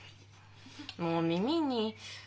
もう耳に。